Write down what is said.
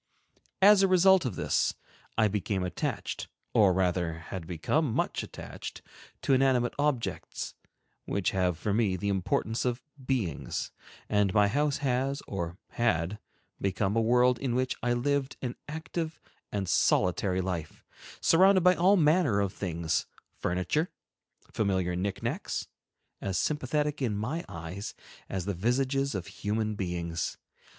As a result of this, I became attached, or rather had become much attached, to inanimate objects, which have for me the importance of beings, and my house has or had become a world in which I lived an active and solitary life, surrounded by all manner of things, furniture, familiar knickknacks, as sympathetic in my eyes as the visages of human beings.